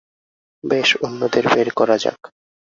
বেশ, অন্যদের বের করা যাক।